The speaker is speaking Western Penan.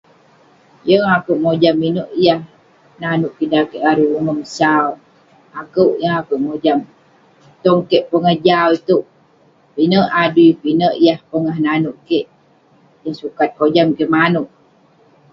Yeng akouk mojam inouk yah nanouk kik dan keik larui umon sau, akouk yeng akouk mojam..Tong keik pongah jau itouk ,pinek adui pinek yah pongah nanouk kik yeng sukat kojam kik manouk.